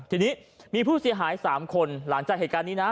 ทีนี้มีผู้เสียหาย๓คนหลังจากเหตุการณ์นี้นะ